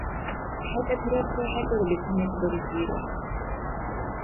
ХӀед операция хӀебарили кумекбарес вирар.